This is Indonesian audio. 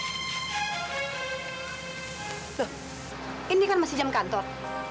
tuh ini kan masih jam kantor